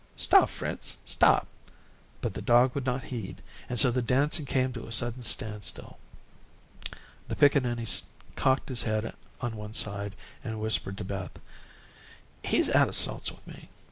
"Stop, Fritz, stop," but the dog would not heed, and so the dancing came to a sudden stand still. The pickaninny cocked his head on one side and whispered to Beth: "He's out of sorts with me.